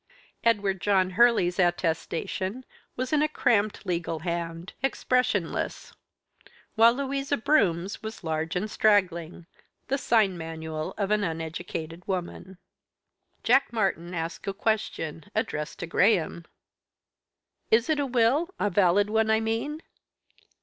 Edward John Hurley's attestation was in a cramped legal hand, expressionless, while Louisa Broome's was large and straggling, the sign manual of an uneducated woman. Jack Martyn asked a question, addressed to Graham. "Is it a will? a valid one, I mean?"